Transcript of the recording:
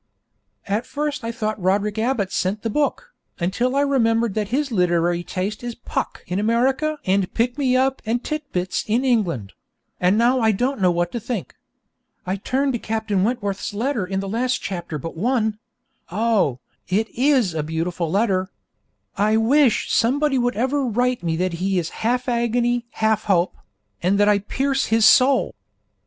At first I thought Roderick Abbott sent the book, until I remembered that his literary taste is Puck in America and Pick me up and Tit Bits in England; and now I don't know what to think. I turned to Captain Wentworth's letter in the last chapter but one oh, it is a beautiful letter! I wish somebody would ever write me that he is 'half agony, half hope,' and that I 'pierce his soul.'